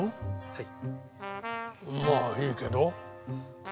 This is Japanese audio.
はい。